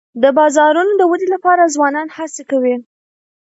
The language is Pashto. د بازارونو د ودي لپاره ځوانان هڅې کوي.